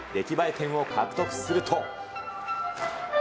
点を獲得すると。